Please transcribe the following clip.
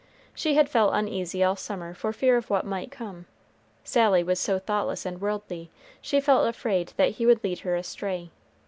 She had felt uneasy all summer for fear of what might come. Sally was so thoughtless and worldly, she felt afraid that he would lead her astray.